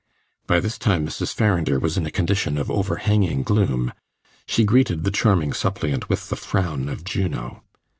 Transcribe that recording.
By this time Mrs. Farrinder was in a condition of overhanging gloom; she greeted the charming suppliant with the frown of Juno.